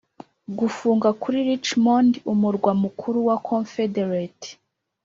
gufunga kuri richmond, umurwa mukuru wa confederate